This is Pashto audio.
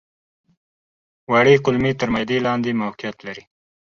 وړې کولمې تر معدې لاندې موقعیت لري.